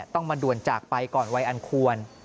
มาด่วนจากไปก่อนวัยอันควร